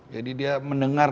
jadi dia mendengar